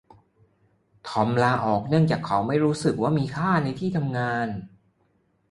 ทอมลาออกเนื่องจากเขาไม่รู้สึกว่ามีค่าในที่ทำงาน